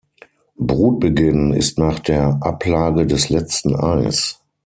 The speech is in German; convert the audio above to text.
Brutbeginn ist nach der Ablage des letzten Eis.